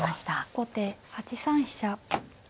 後手８三飛車。